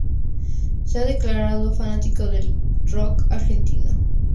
Se ha declarado fanático del rock argentino.